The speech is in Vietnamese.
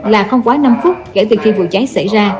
là không quá năm phút kể từ khi vụ cháy xảy ra